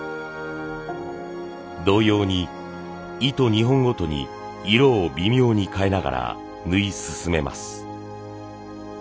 同様に糸２本ごとに色を微妙に変えながら縫い進めます。